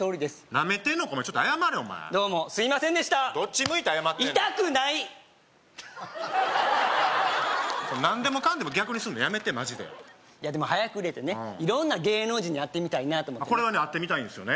なめてんのかちょっと謝れお前どうもすいませんでしたどっち向いて謝ってんねん痛くない何でもかんでも逆にすんのやめてマジでいやでも早く売れてね色んな芸能人に会ってみたいなと思ってこれはね会ってみたいんですよね